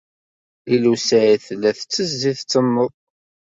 Lila u Saɛid tella tettezzi, tettenneḍ.